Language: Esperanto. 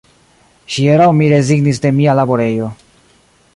Hieraŭ mi rezignis de mia laborejo